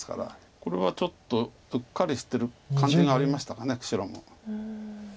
これはちょっとうっかりしてる感じがありましたか白も。